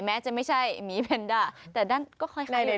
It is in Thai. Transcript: แม้จะไม่ใช่มีเป็นด้าแต่ด้านก็ค่อยค่อยอยู่ด้านขวา